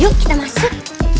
yuk kita masuk